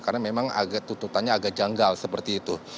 karena memang tututannya agak janggal seperti itu